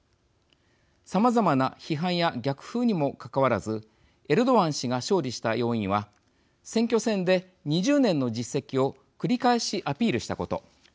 さまざまな批判や逆風にもかかわらずエルドアン氏が勝利した要因は選挙戦で２０年の実績を繰り返しアピールしたこと。